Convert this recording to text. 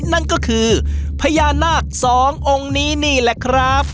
นั่นก็คือพญานาคสององค์นี้นี่แหละครับ